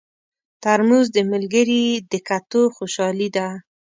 ترموز د ملګري د کتو خوشالي ده.